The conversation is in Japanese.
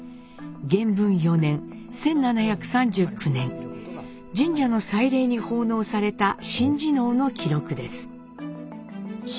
元文４年１７３９年神社の祭礼に奉納された神事能の記録です。